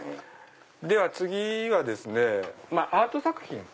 では次はアート作品。